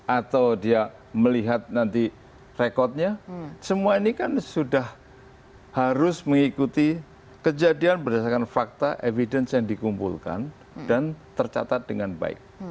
atau dia melihat nanti rekodnya semua ini kan sudah harus mengikuti kejadian berdasarkan fakta evidence yang dikumpulkan dan tercatat dengan baik